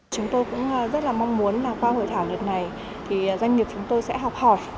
chúng tôi cũng rất là mong muốn là qua hội thảo đợt này thì doanh nghiệp chúng tôi sẽ học hỏi